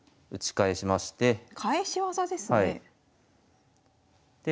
返し技ですね。